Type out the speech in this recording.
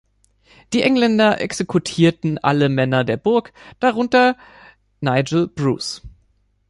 Die Engländer exekutierten alle Männer der Burg, darunter Nigel Bruce.